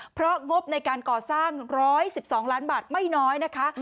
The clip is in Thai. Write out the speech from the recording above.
เพราะงบในการก่อสร้าง๑๑๒ล้านบาทไม่น้อยนะคะ